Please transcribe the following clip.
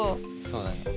そうだね。